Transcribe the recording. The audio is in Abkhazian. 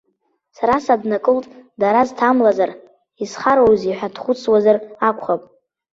Сара саднакылт, дара зҭамлазар, исхароузеи ҳәа дхәыцуазар акәхап.